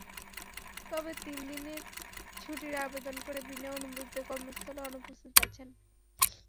তবে তিন দিনের ছুটির আবেদন করে বিনা অনুমতিতে কর্মস্থলে অনুপস্থিত আছেন।